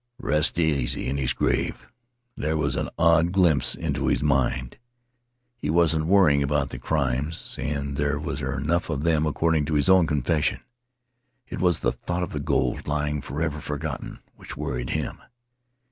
Rest easy in his grave! There was an odd glimpse into his mind. He wasn't Faery Lands of the South Seas worrying about his crimes, and there were enough of them, according to his own confession. It was the thought of the gold lying forever forgotten which worried him.